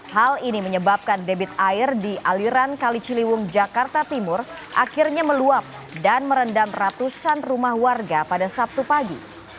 hal ini menyebabkan debit air di aliran kali ciliwung jakarta timur akhirnya meluap dan merendam ratusan rumah warga pada sabtu pagi